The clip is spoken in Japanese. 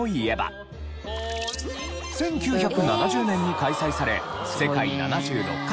１９７０年に開催され世界７６カ国が参加。